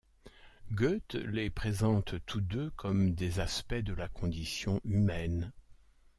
Goethe les présente tous deux comme des aspects de la condition humaine.